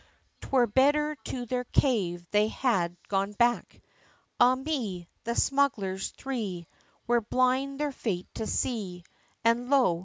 'Twere better to their cave they had gone back. Ah! me, the smugglers three, Were blind their fate to see, And lo!